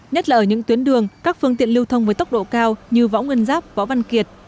nhất là ở những tuyến đường các phương tiện lưu thông với tốc độ cao như võ nguyên giáp võ văn kiệt